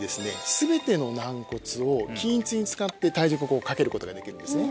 全ての軟骨を均一に使って体重ここかけることができるんですね